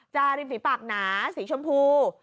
ริมฝีปากหนาสีชมพู